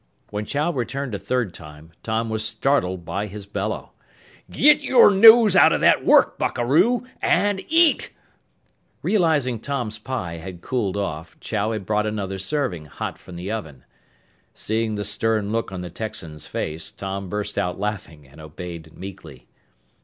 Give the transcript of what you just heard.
When Chow returned a third time, Tom was startled by his bellow: "Get your nose out o' that work, buckaroo, and eat!" Realizing Tom's pie had cooled off, Chow had brought another serving, hot from the oven. Seeing the stern look on the Texan's face, Tom burst out laughing and obeyed meekly.